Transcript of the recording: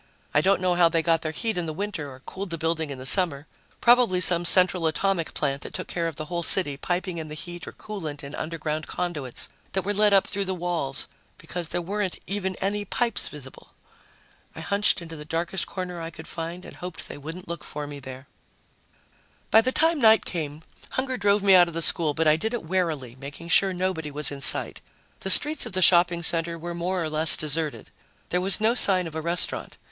I don't know how they got their heat in the winter or cooled the building in the summer. Probably some central atomic plant that took care of the whole city, piping in the heat or coolant in underground conduits that were led up through the walls, because there weren't even any pipes visible. I hunched into the darkest corner I could find and hoped they wouldn't look for me there. By the time night came, hunger drove me out of the school, but I did it warily, making sure nobody was in sight. The streets of the shopping center were more or less deserted. There was no sign of a restaurant.